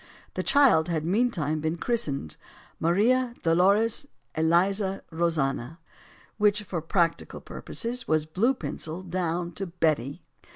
The child had meantime been christened Maria Dolores Eliza Rosanna; which, for practical purposes, was blue penciled down to "Betty."